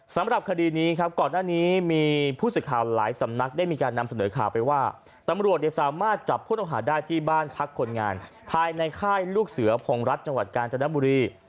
จังหวัดกาญจนบุรี